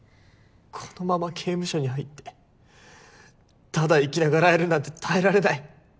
このまま刑務所に入ってただ生きながらえるなんて耐えられない！